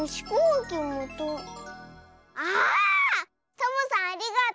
サボさんありがとう。